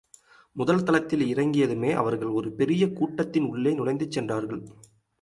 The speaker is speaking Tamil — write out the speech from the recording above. முதல் தளத்தில் இறங்கியதுமே அவர்கள் ஒரு பெரிய கூடத்தின் உள்ளே நுழைந்து சென்றார்கள்.